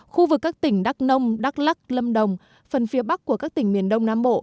khu vực các tỉnh đắk nông đắk lắc lâm đồng phần phía bắc của các tỉnh miền đông nam bộ